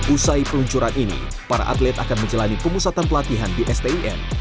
usai peluncuran ini para atlet akan menjalani pemusatan pelatihan di stn